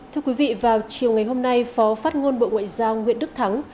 thưa quý vị vào chiều ngày hôm nay phó phát ngôn bộ ngoại giao nguyễn đức thắng